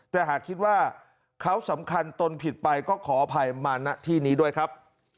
แต่หากคิดว่าเขาสำคัญตนผิดไปก็ขออภัยมาณที่นี้ด้วยครับ